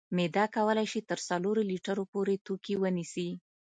معده کولی شي تر څلورو لیترو پورې توکي ونیسي.